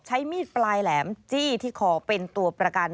ใช้มีดปลายแหลมจี้ที่คอเป็นตัวประกัน